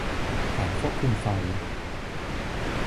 แผงควบคุมไฟ